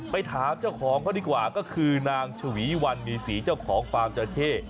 ไปถามเจ้าของเขาดีกว่าก็คือนางชวีวันมีศรีเจ้าของฟาร์มจราเข้